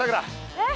えっ？